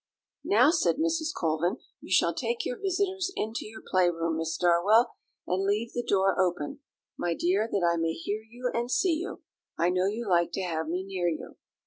"Now," said Mrs. Colvin, "you shall take your visitors into your play room, Miss Darwell, and leave the door open, my dear, that I may hear you and see you; I know you like to have me near you."